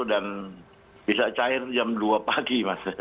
dan bisa cair jam dua pagi